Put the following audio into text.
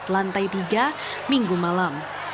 lantai tiga minggu malam